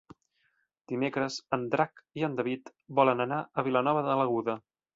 Dimecres en Drac i en David volen anar a Vilanova de l'Aguda.